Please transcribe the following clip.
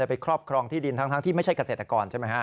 ไปครอบครองที่ดินทั้งที่ไม่ใช่เกษตรกรใช่ไหมฮะ